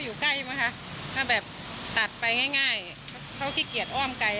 อยู่ใกล้ไหมคะถ้าแบบตัดไปง่ายเขาขี้เกียจอ้อมไกล